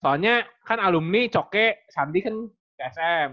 soalnya kan alumni coke sandi kan ksm